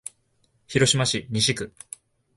広島市西区